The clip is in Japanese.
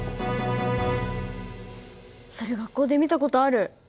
それ学校で見た事ある。